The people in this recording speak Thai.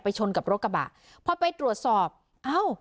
ชนกับรถกระบะพอไปตรวจสอบเอ้า